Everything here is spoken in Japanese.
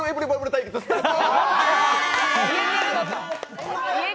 対決スタート！